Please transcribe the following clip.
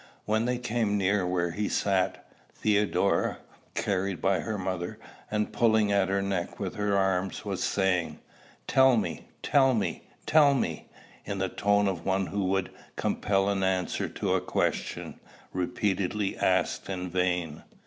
When they came near where he sat, Theodora, carried by her mother, and pulling at her neck with her arms, was saying, "Tell me; tell me; tell me," in the tone of one who would compel an answer to a question repeatedly asked in vain.